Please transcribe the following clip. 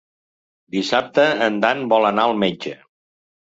Dissabte en Dan vol anar al metge.